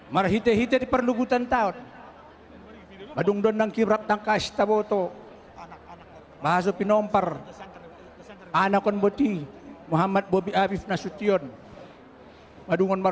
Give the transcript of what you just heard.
marayat datu nga dan bapak orang